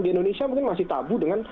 di indonesia mungkin masih tabu dengan